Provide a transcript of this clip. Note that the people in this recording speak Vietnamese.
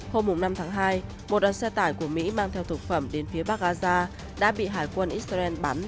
hôm năm tháng hai một đoàn xe tải của mỹ mang theo thực phẩm đến phía bắc gaza đã bị hải quân israel bắn